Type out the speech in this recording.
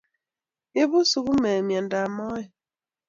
Ibu sukumek miando ab moet